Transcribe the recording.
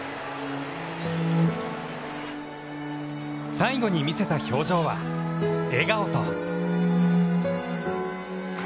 最後に見せた表情は、笑顔と涙。